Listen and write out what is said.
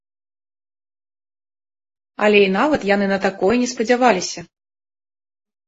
Але і нават яны на такое не спадзяваліся.